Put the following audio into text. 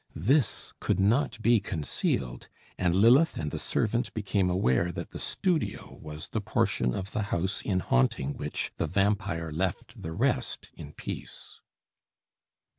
This could not be concealed; and Lilith and the servant became aware that the studio was the portion of the house in haunting which the vampire left the rest in peace.